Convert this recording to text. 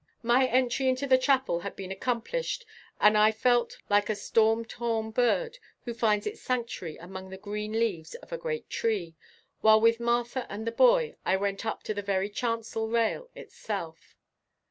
My entry into the chapel had been accomplished and I felt like a storm torn bird who finds its sanctuary among the green leaves of a great tree, while with Martha and the boy I went up to the very chancel rail itself.